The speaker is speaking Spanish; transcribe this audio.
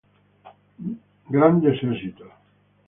Greatest Hits.